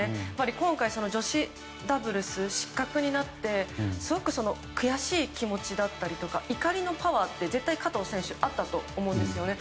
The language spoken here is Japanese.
今回、女子ダブルス失格になってすごく悔しい気持ちだったり怒りのパワーって加藤選手あったと思うんですね。